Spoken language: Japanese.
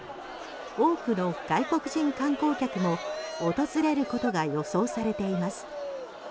多くの外国人観光客も訪れることが予想されています。